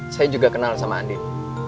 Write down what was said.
saya juga kenal sama andin